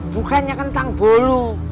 bukannya kentang bolu